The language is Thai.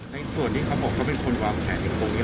ในส่วนที่เขาบอกเขาเป็นคนหวามแขนอยู่ตรงนี้